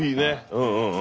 うんうん。